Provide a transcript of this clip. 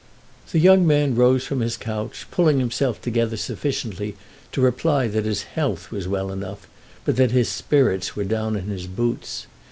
The young man rose from his couch, pulling himself together sufficiently to reply that his health was well enough but that his spirits were down in his hoots.